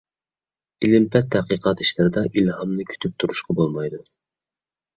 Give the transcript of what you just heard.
ئىلىم پەن تەتقىقات ئىشلىرىدا ئىلھامنى كۈتۈپ تۇرۇشقا بولمايدۇ.